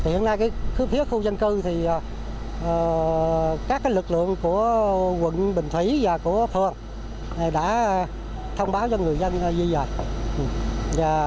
hiện nay phía khu dân cư các lực lượng của quận bình thủy và của thuận đã thông báo cho người dân di dời